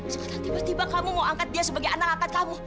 sekarang tiba tiba kamu mau angkat dia sebagai anak angkat kamu